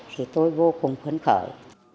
thì tôi vô cùng khuấn khởi